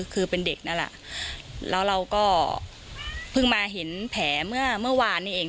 คือเป็นเด็กนั่นแหละแล้วเราก็เพิ่งมาเห็นแผลเมื่อเมื่อวานนี้เอง